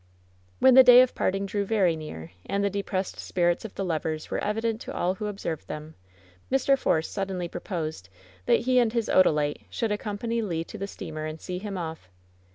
When the day of parting drew very near, and the de pressed spirits of the lovers were evident to all who ob served them, Mr. Force suddenly proposed that he and his Odalite should accompany Le to the steamer and see him off.